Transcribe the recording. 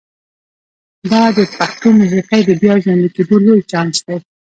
دا د پښتو موسیقۍ د بیا ژوندي کېدو لوی چانس دی.